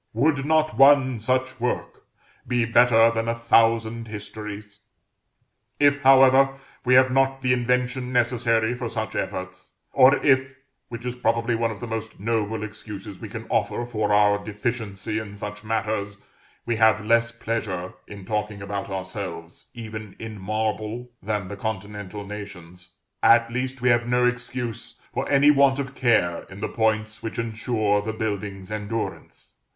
Would not one such work be better than a thousand histories? If, however, we have not the invention necessary for such efforts, or if, which is probably one of the most noble excuses we can offer for our deficiency in such matters, we have less pleasure in talking about ourselves, even in marble, than the Continental nations, at least we have no excuse for any want of care in the points which insure the building's endurance.